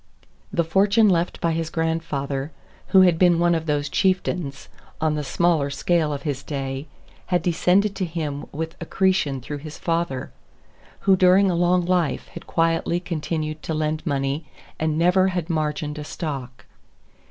The fortune left by his grandfather, who had been one of those chieftains, on the smaller scale of his day, had descended to him with accretion through his father, who during a long life had quietly continued to lend money and never had margined a stock.